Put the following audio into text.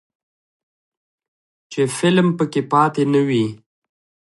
چې فلم پکې پاتې نه وي.